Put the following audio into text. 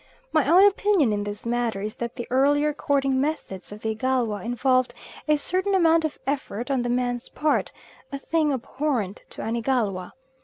My own opinion in this matter is that the earlier courting methods of the Igalwa involved a certain amount of effort on the man's part, a thing abhorrent to an Igalwa.